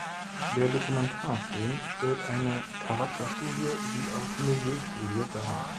Der Dokumentarfilm stellt eine Charakterstudie wie auch Milieustudie dar.